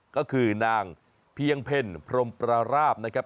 ก็คือนางเพียงเพลพรมประราบนะครับ